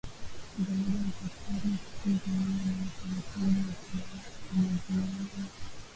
kwa moja na serikali kuu pamoja na utaratibu wa kiimla uliozuia wananchi